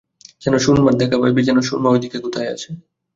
যেন সুরমার দেখা পাইবে, যেন সুরমা ওইদিকে কোথায় আছে!